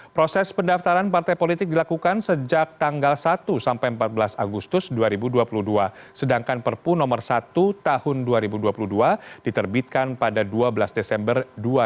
proses pendaftaran partai politik dilakukan sejak tanggal satu sampai empat belas agustus dua ribu dua puluh dua sedangkan perpu nomor satu tahun dua ribu dua puluh dua diterbitkan pada dua belas desember dua ribu dua puluh